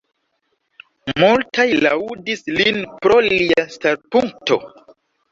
Multaj laŭdis lin pro lia starpunkto.